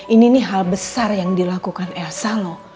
ini nih hal besar yang dilakukan elsa loh